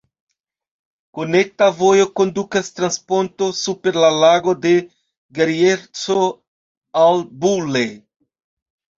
Konekta vojo kondukas trans ponto super la Lago de Grejerco al Bulle.